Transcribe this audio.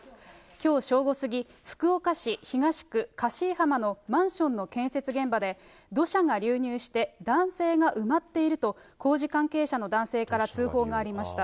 きょう正午過ぎ、福岡市東区かしいはまのマンションの建設現場で、土砂が流入して、男性が埋まっていると、工事関係者の男性から通報がありました。